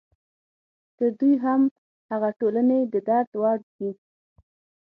تر دوی هم هغه ټولنې د درد وړ دي.